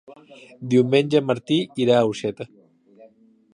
Diumenge en Martí irà a Orxeta.